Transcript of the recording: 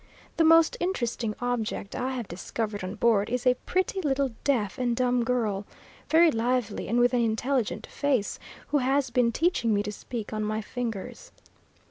The most interesting object I have discovered on board is a pretty little deaf and dumb girl, very lively and with an intelligent face, who has been teaching me to speak on my fingers.